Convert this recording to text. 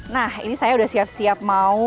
nah ini saya udah siap siap mau